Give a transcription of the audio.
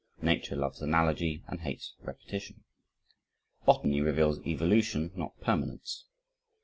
"Nature loves analogy and hates repetition." Botany reveals evolution not permanence.